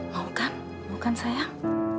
mau kan mau kan sayang